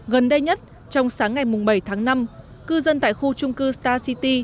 gần đây nhất trong sáng ngày bảy tháng năm cư dân tại khu trung cư star city